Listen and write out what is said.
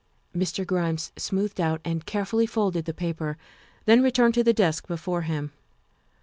Mr. Grimes smoothed out and carefully folded the paper, then returned to the desk before him.